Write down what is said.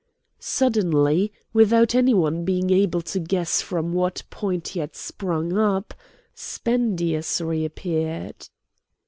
Suddenly, without any one being able to guess from what point he had sprung up, Spendius reappeared.